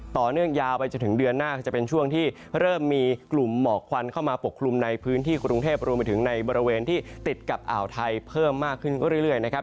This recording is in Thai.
ต่อเนื่องยาวไปจนถึงเดือนหน้าก็จะเป็นช่วงที่เริ่มมีกลุ่มหมอกควันเข้ามาปกคลุมในพื้นที่กรุงเทพรวมไปถึงในบริเวณที่ติดกับอ่าวไทยเพิ่มมากขึ้นเรื่อยนะครับ